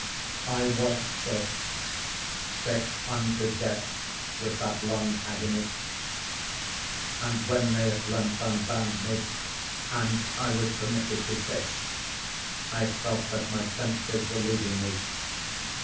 ] I was sick—sick unto death with that long agony; and when they at length unbound me, and I was permitted to sit, I felt that my senses were leaving me.